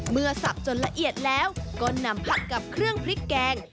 สับจนละเอียดแล้วก็นำผัดกับเครื่องพริกแกง